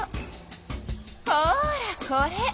ほらこれ！